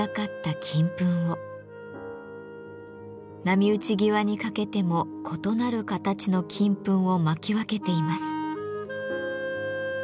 波打ち際にかけても異なる形の金粉を蒔き分けています。